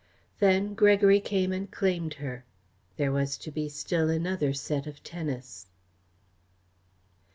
Then Gregory came and claimed her. There was to be still another set of tennis.